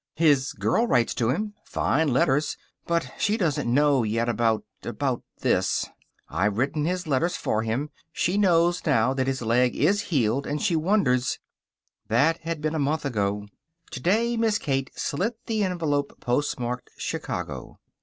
"His girl writes to him. Fine letters. But she doesn't know yet about about this. I've written his letters for him. She knows now that his leg is healed and she wonders " That had been a month ago. Today Miss Kate slit the envelope post marked Chicago.